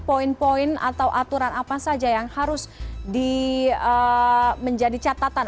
poin poin atau aturan apa saja yang harus menjadi catatan